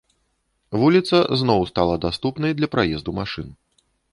Вуліца зноў стала даступнай для праезду машын.